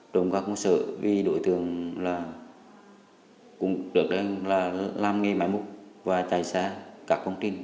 trộm khắp công sở vì đội thường cũng được làm nghề máy mục và tài xá các công trình